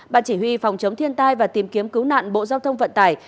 ban chỉ huy phòng chống thiên tai và tìm kiếm cứu nạn bộ giao thông vận tải